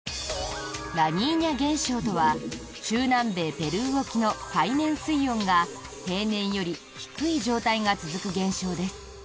ラニーニャ現象とは中南米ペルー沖の海面水温が平年より低い状態が続く現象です。